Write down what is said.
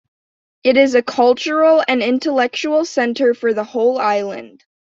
It is a cultural and intellectual center for the whole island.